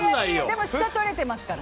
でも、下取れてますから。